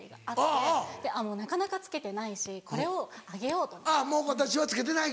あっもうなかなか着けてないしこれをあげようと思って。